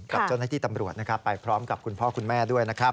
ขอให้ติดตำรวจไปพร้อมกับคุณพ่อคุณแม่ด้วยครับ